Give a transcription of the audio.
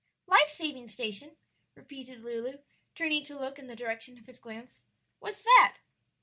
"Life saving station," repeated Lulu, turning to look in the direction of his glance; "what's that?"